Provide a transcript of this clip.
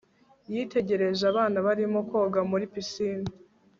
yitegereje abana barimo koga muri pisine